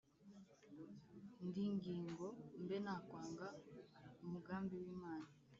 nd’ingingo mbe nakwanga umugambi w’imana